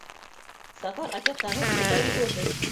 Safar aka tag‘in siltab yubordi.